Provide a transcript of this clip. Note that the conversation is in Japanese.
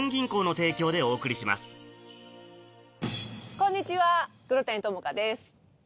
こんにちは黒谷友香です。